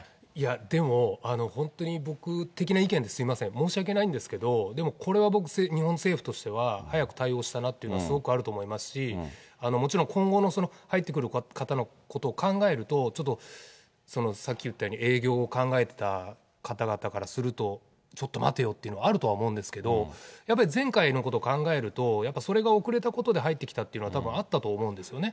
でも、本当に僕的な意見ですみません、申し訳ないんですけど、でもこれは僕、日本政府としては早く対応したなというのは、すごくあると思いますし、もちろん今後の入ってくる方のことを考えると、ちょっと、さっき言ったように、営業を考えてた方々からすると、ちょっと待てよっていうのはあるとは思うんですけど、やっぱり前回のことを考えると、やっぱり、それが遅れたことで入ってきたっていうのはたぶんあったと思うんですよね。